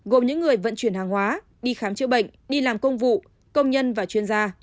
gồm những người vận chuyển hàng hóa đi khám chữa bệnh đi làm công vụ công nhân và chuyên gia